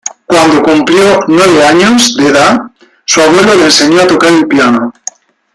Cuando cumplió nueve años de edad, su abuelo le enseñó a tocar el piano.